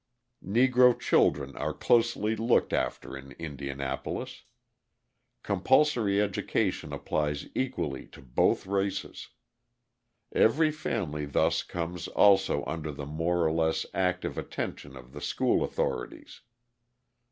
Negro children are closely looked after in Indianapolis. Compulsory education applies equally to both races. Every family thus comes also under the more or less active attention of the school authorities.